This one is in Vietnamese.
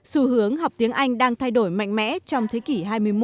xu hướng học tiếng anh đang thay đổi mạnh mẽ trong thế kỷ hai mươi một